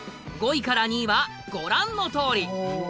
５位から２位はご覧のとおり。